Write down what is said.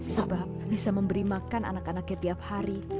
sebab bisa memberi makan anak anaknya tiap hari